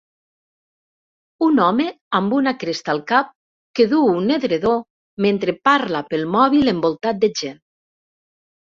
Un home amb una cresta al cap que duu un edredó mentre parla pel mòbil envoltat de gent.